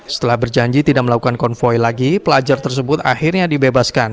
setelah berjanji tidak melakukan konvoy lagi pelajar tersebut akhirnya dibebaskan